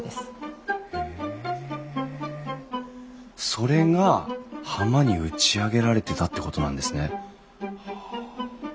それが浜に打ち上げられてたってことなんですね。